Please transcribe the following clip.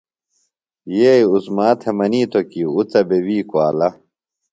یئ عظمیٰ تھےۡ منیتوۡ کی اُڅہ بےۡ وی کُوالہ۔